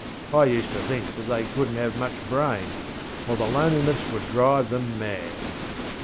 I used to think that they couldnŌĆÖt have much brains, or the loneliness would drive them mad.